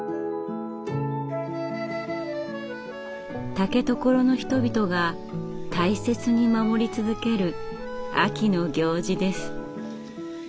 竹所の人々が大切に守り続ける秋の行事です。